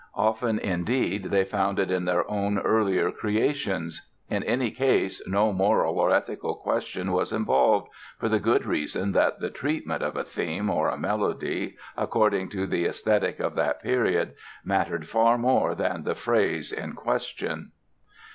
Often, indeed, they found it in their own earlier creations. In any case no moral or ethical question was involved, for the good reason that the treatment of a theme or a melody according to the esthetic of that period, mattered far more than the phrase in question.